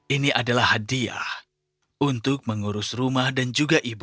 ini adalah hadiah untuk mengurus rumah dan juga ibu